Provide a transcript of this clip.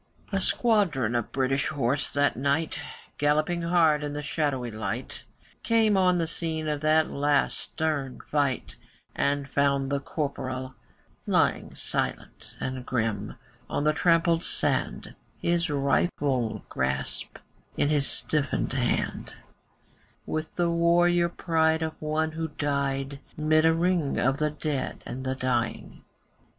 A squadron of British horse that night, Galloping hard in the shadowy light, Came on the scene of that last stern fight, And found the Corporal lying Silent and grim on the trampled sand, His rifle grasped in his stiffened hand, With the warrior pride of one who died 'Mid a ring of the dead and the dying.